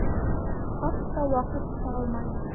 Хатта ваҡыт та алмай...